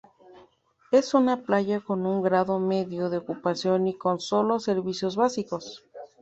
Es una playa con un grado medio de ocupación y con sólo servicios básicos.